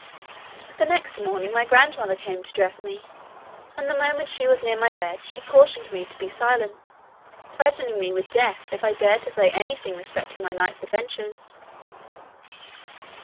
The next morning, my grandmother came to dress me, and the moment she was near my bed, she cautioned me to be silent, threatening me with death if I dared to say anything respecting my night's adventures.